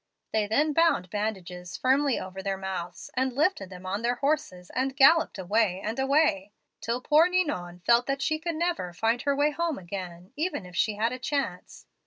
They then bound bandages firmly over their mouths, and lifted them on their horses and galloped away and away, till poor Ninon felt that she could never find her way home again, even if she had a chance.